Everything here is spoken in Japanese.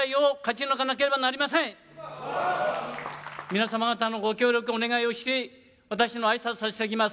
皆様方のご協力をお願いして、私の挨拶とさせていただきます。